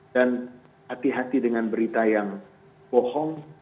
dan hati hati dengan berita yang bohong